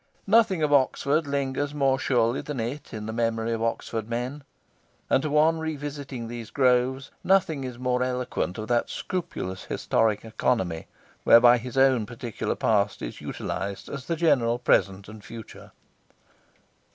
Nothing of Oxford lingers more surely than it in the memory of Oxford men; and to one revisiting these groves nothing is more eloquent of that scrupulous historic economy whereby his own particular past is utilised as the general present and future.